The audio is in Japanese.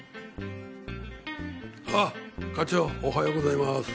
あっ課長おはようございます。